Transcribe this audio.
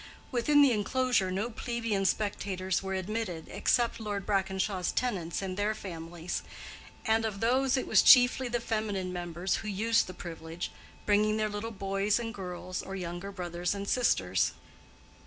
Within the enclosure no plebeian spectators were admitted except Lord Brackenshaw's tenants and their families, and of these it was chiefly the feminine members who used the privilege, bringing their little boys and girls or younger brothers and sisters.